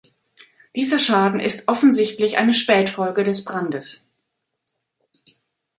Dieser Schaden ist offensichtlich eine Spätfolge des Brandes.